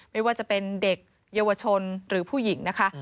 ไม่ว่าจะเป็นเด็กเยาวชนหรือผู้หญิงนะคะ